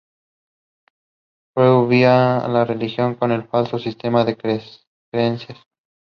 Freud veía la religión como un falso sistema de creencias.